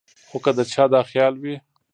خو کۀ د چا دا خيال وي